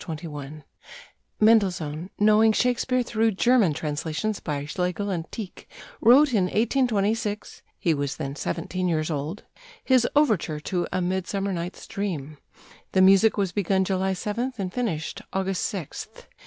21 Mendelssohn, knowing Shakespeare through German translations by Schlegel and Tieck, wrote in 1826 (he was then seventeen years old) his overture to "A Midsummer Night's Dream." The music was begun July 7th, and finished August 6th.